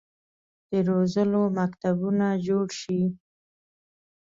د روزلو مکتبونه جوړ شي.